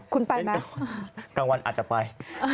คุณไปไหมกลางวันอาจจะไป